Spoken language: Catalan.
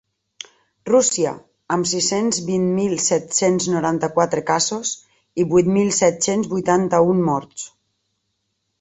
Rússia, amb sis-cents vint mil set-cents noranta-quatre casos i vuit mil set-cents vuitanta-un morts.